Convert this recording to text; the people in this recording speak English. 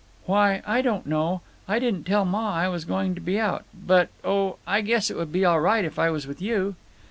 "Why, I don't know; I didn't tell Ma I was going to be out. But—oh, I guess it would be all right if I was with you."